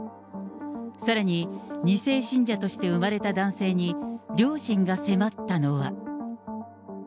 さらに２世信者として生まれた男性に両親が迫ったのは。